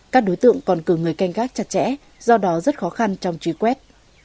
các đối tượng còn cử người canh gác chặt chẽ do đó rất khó khăn trong truy quét